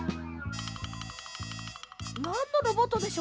なんのロボットでしょうか？